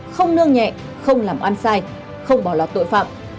không nương nhẹ không làm ăn sai không bỏ lọt tội phạm